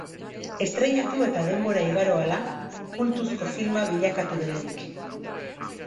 Estreinatu eta denbora igaro hala kultuzko filma bilakatu delarik.